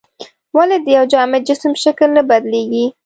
ولې د یو جامد جسم شکل نه بدلیږي؟